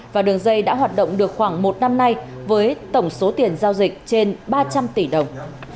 và đường dây đã hoạt động được khoảng một năm nay với tổng số tiền giao dịch trên ba trăm linh tỷ đồng